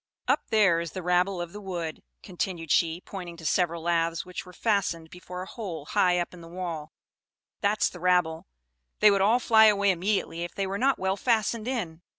"Up there is the rabble of the wood," continued she, pointing to several laths which were fastened before a hole high up in the wall; "that's the rabble; they would all fly away immediately, if they were not well fastened in.